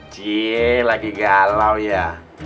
cie lagi galau ya